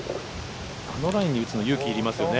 あのラインに打つの勇気いりますよね。